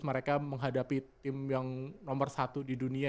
mereka menghadapi tim yang nomor satu di dunia